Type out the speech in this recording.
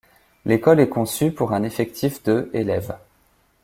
L'école est conçue pour un effectif de élèves.